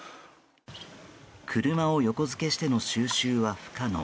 車を横付けしての収集は不可能。